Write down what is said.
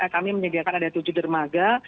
kami menyediakan ada tujuh dermaga